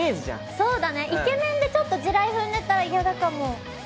そうだねイケメンでちょっと地雷踏んでたらヤダかも。